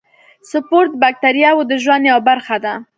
سپور د باکتریاوو د ژوند یوه برخه ده.